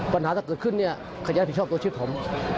ปัญหาถ้าเกิดขึ้นขยันผิดชอบตัวชีวิตผม